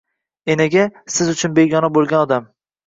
Enaga – siz uchun begona bo‘lgan odam.